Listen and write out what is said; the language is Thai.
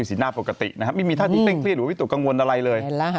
โดยศีลหน้าปกติไม่มีท่าติหวิตดกังวลอะไรเลย